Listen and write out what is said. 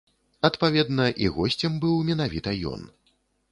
Адпаведна, і госцем быў менавіта ён.